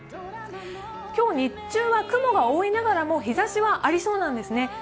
今日日中は雲が多いながらも日ざしはありそうなんですね。